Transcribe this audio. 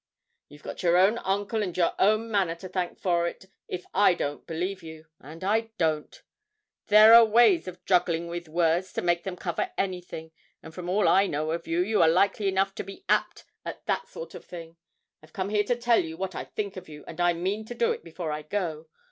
'You've got your own uncle and your own manner to thank for it if I don't believe you, and I don't. There are ways of juggling with words to make them cover anything, and from all I know of you, you are likely enough to be apt at that sort of thing. I've come here to tell you what I think of you, and I mean to do it before I go.